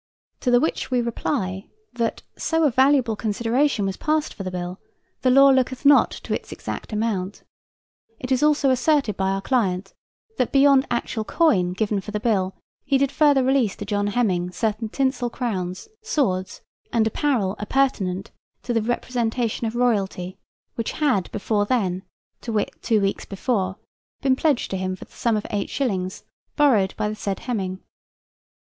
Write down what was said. To the which we reply, that, so a valuable consideration was passed for the bill, the law looketh not to its exact amount. It is also asserted by our client that, beyond actual coin given for the bill, he did further release to John Heminge certain tinsel crowns, swords, and apparel appurtenant to the representation of royalty, which had before then to wit, two weeks before been pledged to him for the sum of 8 shillings, borrowed by the said Heminge.